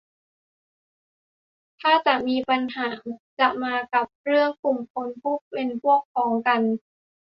ถ้าจะมีปัญหาจะมากับเรื่องกลุ่มคนผู้เป็นพวกพ้องกัน